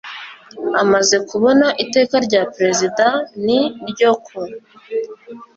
amaze kubona iteka rya perezida n ryo ku